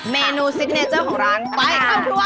เมนูซิกเนเจอร์ของร้านไปครอบครัว